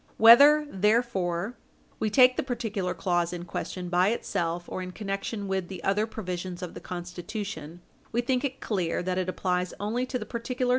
Whether, therefore, we take the particular clause in question, by itself, or in connection with the other provisions of the Constitution, we think it clear that it applies only to the particular Page 60 U.